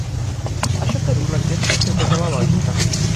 Això que diu l’enquesta té tota la lògica.